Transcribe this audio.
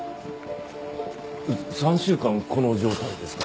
３週間この状態ですか？